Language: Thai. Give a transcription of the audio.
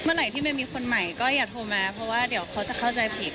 เมื่อไหร่ที่ไม่มีคนใหม่ก็อยากโทรมาเพราะว่าเดี๋ยวเขาจะเข้าใจผิด